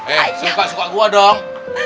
eh suka suka gua dong